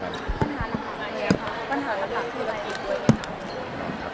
ปัญหาหลักคืออะไรอีกด้วยครับ